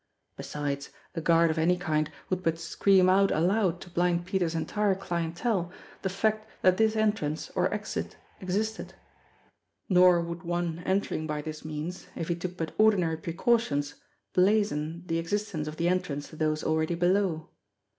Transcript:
Besides, a guard of any kind would but scream out aloud to Blind Peter's entire clientele the fact that this en trance, or exit, existed. Nor would one entering by this means, if he took but ordinary precautions, blazon the exist ence of the entrance to those already below.